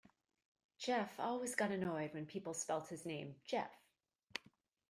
Geoff always got annoyed when people spelt his name Jeff.